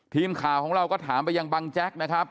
ทีมข่าวของเราก็ถามไปยังบังแจ๊กนะครับ